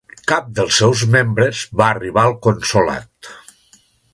Cap dels seus membres va arribar al consolat.